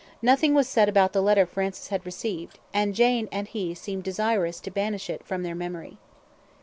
Nothing was said about the letter Francis had received, and Jane and he seemed desirous to banish it from their memory.